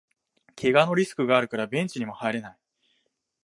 けがのリスクがあるからベンチにも入れない